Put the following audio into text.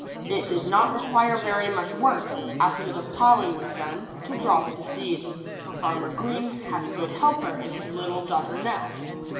It did not require very much work, after the plowing w'as done, to drop the seed; for Farmer Green had a good helper in his little daughter Nell.